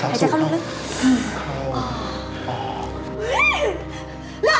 แห้งบานเดียว